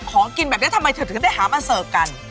ของกินแบบนี้ทำไมเธอถึงได้หามาเสิร์ฟกัน